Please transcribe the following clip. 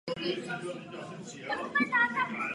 Do centra města vede dálnice.